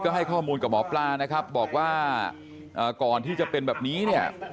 ให้ข้อมูลกับหมอปลานะครับบอกว่าก่อนที่จะเป็นแบบนี้เนี่ย